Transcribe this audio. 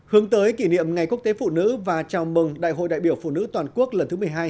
hướng tới kỷ niệm ngày quốc tế phụ nữ và chào mừng đại hội đại biểu phụ nữ toàn quốc lần thứ một mươi hai